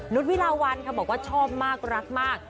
นุษย์วิลาวันบอกว่าชอบมากรักมาก